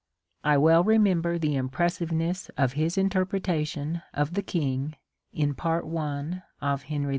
I well remember the impressiveness of his interpretation of the king in Part I of Henry IV.